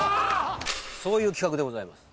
そういう企画でございます。